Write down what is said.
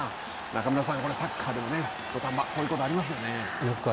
中村さん、サッカーでも土壇場こういうことありますよね。